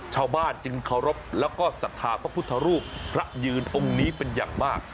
ชาวบ้านจึงเคารพแล้วก็ศรัทธาพระพุทธรูปพระยืนองค์นี้เป็นอย่างมาก